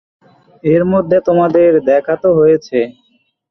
এর মধ্যে তোমাদের দেখা তো হয়েছে।